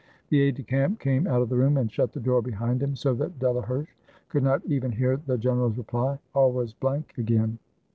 The aide de camp came out of the room and shut the door behind him, so that Delaherche could not even hear the general's reply. All was blank again.